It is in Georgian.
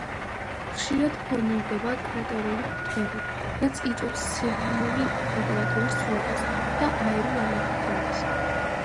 ხშირად ფორმირდება კრატერული ტბები, რაც იწვევს სიღრმული ტემპერატურის ცვლილებას და აირულ ამოფრქვევებს.